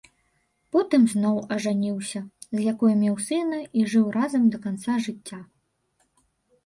Потым зноў ажаніўся, з якой меў сына і жыў разам да канца жыцця.